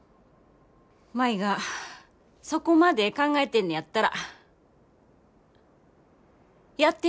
舞がそこまで考えてんねやったらやってみ。